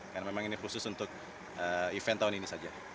karena memang ini khusus untuk event tahun ini saja